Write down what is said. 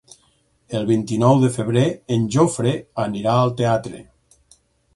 El vint-i-nou de febrer en Jofre anirà al teatre.